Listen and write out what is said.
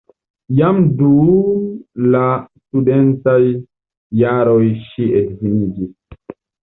Jam dum la studentaj jaroj ŝi edziniĝis.